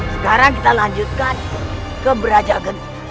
sekarang kita lanjutkan ke berajak